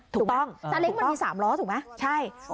ถูกต้องถูกต้องซาเล็งค์มันมี๓ล้อถูกไหม